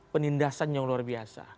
penindasan yang luar biasa